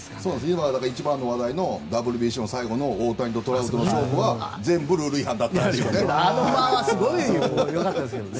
今一番の話題のＷＢＣの最後の大谷とトラウトの勝負は全部ルール違反だったって話がありますよね。